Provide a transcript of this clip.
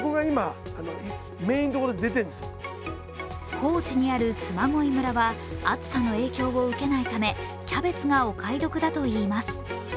高地にある嬬恋村は暑さの影響を受けないためキャベツがお買い得だといいます。